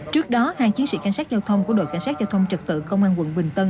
trước đó hai chiến sĩ canh sát giao thông của đội canh sát giao thông trực tự công an quận bình tân